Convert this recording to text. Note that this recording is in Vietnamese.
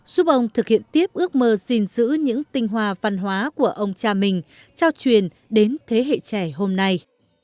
giúp ông thực hiện tiếp ước mơ gìn giữ những tinh hoa văn hóa của ông cha mình trao truyền đến thế hệ trẻ hôm nay